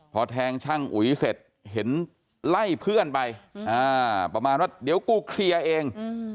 พอแทงช่างอุ๋ยเสร็จเห็นไล่เพื่อนไปประมาณว่าเดี๋ยวกูเคลียร์เอง